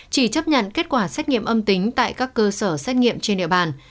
chỉ chấp nhận kết quả xét nghiệm âm tính tại các cơ sở xét nghiệm trên địa bàn